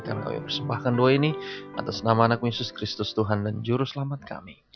kami berdoa atas nama anak nakmu yesus kristus tuhan dan juru selamat kami